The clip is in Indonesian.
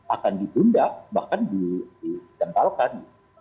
akan ditunda bahkan dikendalkan